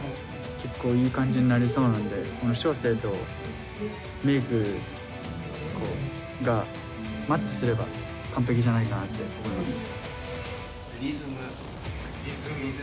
結構いい感じになりそうなので祥生とメイクがマッチすれば完璧じゃないかなって思います。